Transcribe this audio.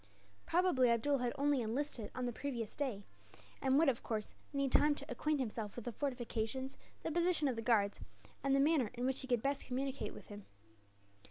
Probably Abdool had only enlisted on the previous day; and would, of course, need time to acquaint himself with the fortifications, the position of the guards, and the manner in which he could best communicate with him.